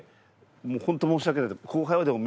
もう本当申し訳ない。